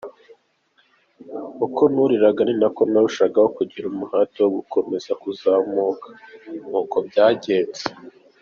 Uko nuriraga ni nako narushagaho kugira umuhate wo gukomeza kuzamuka, ni uko byagenze.